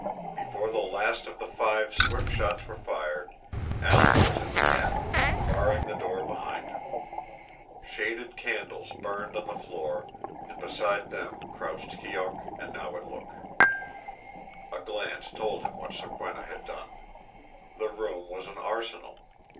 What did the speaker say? Before the last of the five swift shots were fired, Alan was in the cabin, barring the door behind him. Shaded candles burned on the floor, and beside them crouched Keok and Nawadlook. A glance told him what Sokwenna had done. The room was an arsenal.